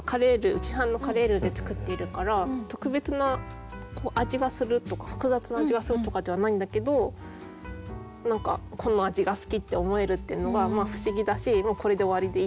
市販のカレールーで作っているから特別な味がするとか複雑な味がするとかではないんだけど何かこの味が好きって思えるっていうのが不思議だしもうこれで終わりでいい